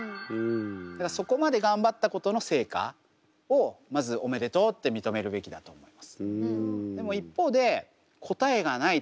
だからそこまで頑張ったことの成果をまずおめでとうって認めるべきだと思います。